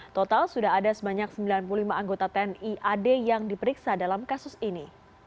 total sudah ada sebanyak sembilan puluh lima anggota tni ad yang diperiksa dalam kasus ini